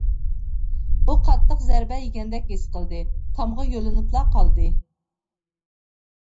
ئۇ قاتتىق زەربە يېگەندەك ھېس قىلدى، تامغا يۆلىنىپلا قالدى.